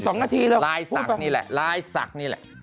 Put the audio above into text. สองนาทีแล้วพูดไปไลน์ศักดิ์นี่แหละไลน์ศักดิ์นี่แหละ